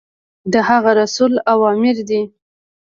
د هغه رسول اوامر دي.